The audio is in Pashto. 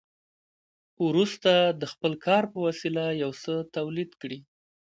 وروسته د خپل کار په وسیله یو څه تولید کړي